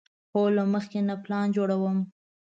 هو، له مخکې نه پلان جوړوم